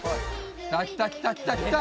来た来た来た来た！